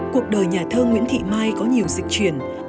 cuộc đời nhà thơ nguyễn thị mai có nhiều dịch truyền